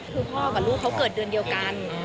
คือพ่อกับลูกเขาเกิดเดือนเดียวกัน